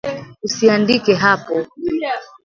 Usiiandike hapo